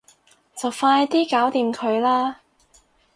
就快啲搞掂佢啦